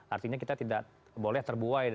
artinya kita tidak boleh terbuai